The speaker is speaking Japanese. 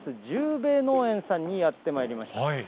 重兵衛農園さんにやってまいりました。